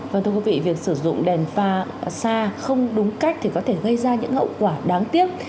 vâng thưa quý vị việc sử dụng đèn pha xa không đúng cách thì có thể gây ra những hậu quả đáng tiếc